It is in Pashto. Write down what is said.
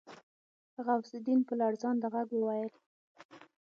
غوث الدين په لړزانده غږ وويل.